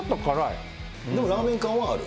でもラーメン感はある？